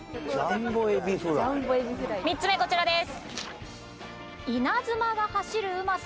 ３つ目こちらです。